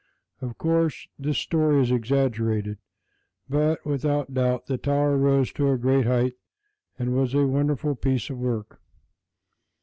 Of course this story is exaggerated, but without doubt the tower rose to a great height and was a wonderful piece of work.